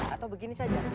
atau begini saja